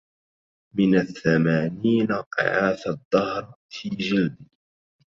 مع الثمانين عاث الدهر في جلدي